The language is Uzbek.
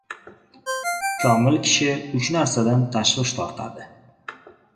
— Komil kishi uch narsadan tashvish tortadi: